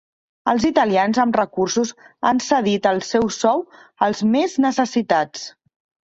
Els italians amb recursos han cedit el seu sou als més necessitats.